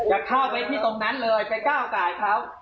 จะเข้าเวทที่ตรงนั้นเลยจะก้าวกายเขา